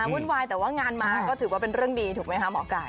วุ่นวายแต่ว่างานมาก็ถือว่าเป็นเรื่องดีถูกไหมคะหมอไก่